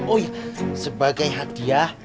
oh iya sebagai hadiah